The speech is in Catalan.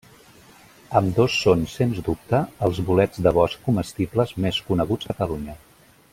Ambdós són, sens dubte, els bolets de bosc comestibles més coneguts a Catalunya.